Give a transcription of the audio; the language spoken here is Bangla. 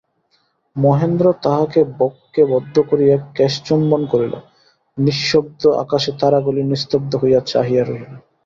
মহেন্দ্র তাহাকে বক্ষে বদ্ধ করিয়া কেশচুম্বন করিল–নিঃশব্দ আকাশে তারাগুলি নিস্তব্ধ হইয়া চাহিয়া রহিল।